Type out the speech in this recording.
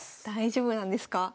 大丈夫なんですか？